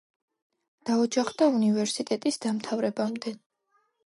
დაოჯახდა უნივერსიტეტის დამთავრებამდე.